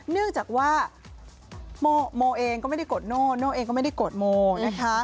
เนื่องจากว่าโมเองก็ไม่ได้โกรธโน่โน่เองก็ไม่ได้โกรธโมนะคะ